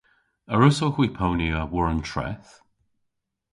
A wrussowgh hwi ponya war an treth?